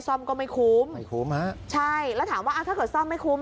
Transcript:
ซ่อมก็ไม่คุ้มใช่แล้วถามว่าถ้าเกิดซ่อมไม่คุ้ม